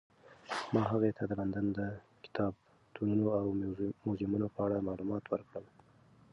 ما هغې ته د لندن د کتابتونونو او موزیمونو په اړه معلومات ورکړل.